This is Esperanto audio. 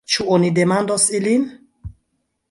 Ĉu oni demandos ilin?